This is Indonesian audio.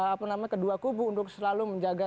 apa nama kedua kubu untuk selalu menjaga